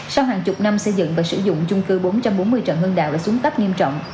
sau hàng chục năm xây dựng và sử dụng chung cư bốn trăm bốn mươi trần hưng đạo đã xuống cấp nghiêm trọng